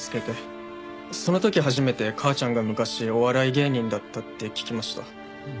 その時初めて母ちゃんが昔お笑い芸人だったって聞きました。